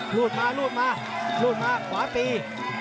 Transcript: รูดมารูดมารูดมาขวาตี